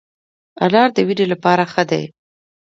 انار د وینې لپاره ښه دی